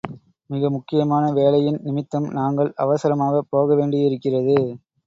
மிக முக்கியமான வேலையின் நிமித்தம் நாங்கள் அவசரமாகப் போக வேண்டியிருக்கிறது.